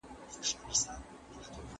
هغه بې له کوم شرطه زما په څنګ کې پاتې شوه.